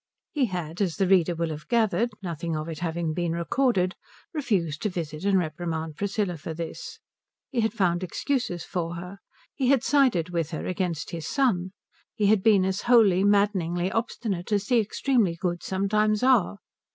He had, as the reader will have gathered, nothing of it having been recorded, refused to visit and reprimand Priscilla for this. He had found excuses for her. He had sided with her against his son. He had been as wholly, maddeningly obstinate as the extremely good sometimes are.